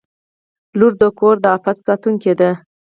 • لور د کور د عفت ساتونکې ده.